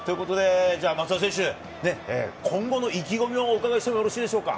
松田選手、今後の意気込みを伺いしても、よろしいですか？